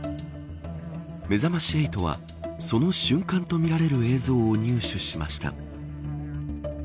めざまし８は、その瞬間とみられる映像を入手しました。